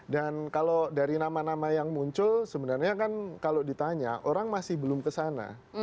dan kalau dari nama nama yang muncul sebenarnya kan kalau ditanya orang masih belum kesana